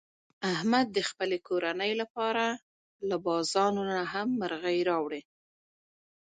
احمد د خپلې کورنۍ لپاره له بازانونه نه هم مرغۍ راوړي.